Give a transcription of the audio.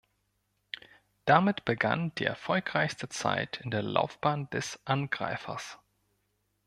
Damit begann die erfolgreichste Zeit in der Laufbahn des Angreifers.